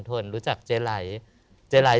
โปรดติดตามต่อไป